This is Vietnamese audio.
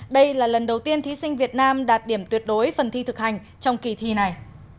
đây là lần đầu tiên thí sinh việt nam đạt điểm tuyệt đối phần thi thực hành trong kỳ thi này